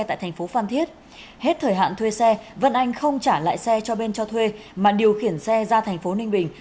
tại thành phố phan thiết hết thời hạn thuê xe vân anh không trả lại xe cho bên cho thuê mà điều khiển xe ra thành phố ninh bình